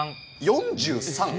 ４３！？